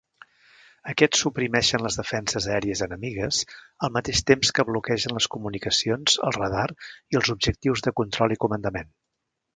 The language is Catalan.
Aquests suprimeixen les defenses aèries enemigues al mateix temps que bloquegen les comunicacions, el radar i els objectius de control i comandament.